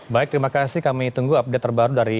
baik terima kasih kami tunggu update terbaru dari